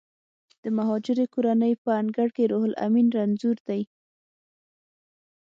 د مهاجرې کورنۍ په انګړ کې روح لامین رنځور دی